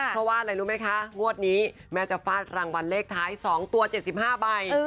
เพราะว่าอะไรรู้ไหมคะงวดนี้แม่จะฟาดรางวัลเลขท้าย๒ตัว๗๕ใบ